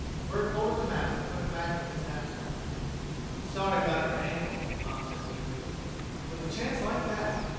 Bert folded the map and put it back in his knapsack. "I'm sorry about your ankle," Tom said weakly. "With a chance like that!"